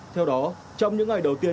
theo đó trong những ngày đầu tiên